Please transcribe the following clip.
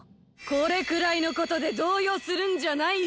これくらいのことでどうようするんじゃないよ！